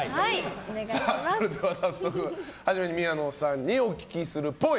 それでは早速初めに宮野さんにお聞きする、っぽい。